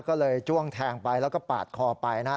ก็เลยจ้วงแทงไปแล้วก็ปาดคอไปนะฮะ